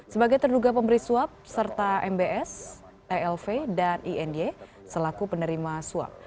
sebagai terduga pemberi suap serta mbs elv dan iny selaku penerima suap